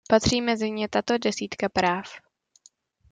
Patří mezi ně tato desítka práv.